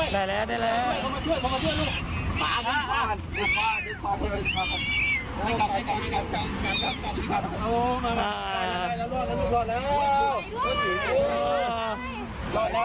มานี่เขามาช่วยได้แล้วได้แล้ว